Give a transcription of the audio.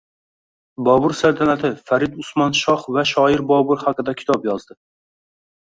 “Bobur saltanati” — Farid Usmon shoh va shoir Bobur haqida kitob yozdi